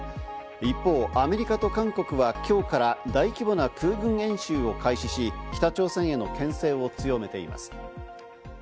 一方、アメリカと韓国は今日から大規模な空軍演習を開始し、北朝鮮への牽制を強めています。